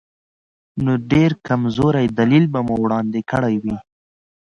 نو ډېر کمزوری دلیل به مو وړاندې کړی وي.